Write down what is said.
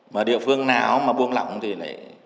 mà địa phương nào mà buông lỏng thì lại